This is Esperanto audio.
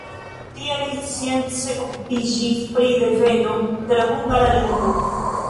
Tie li science okupiĝis pri deveno de la hungara lingvo.